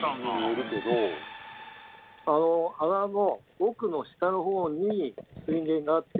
穴の。